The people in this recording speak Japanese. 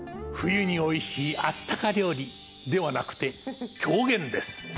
冬においしいあったか料理！ではなくて狂言です。